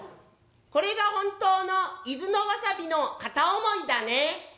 「これが本当の伊豆のわさびの片思いだね」。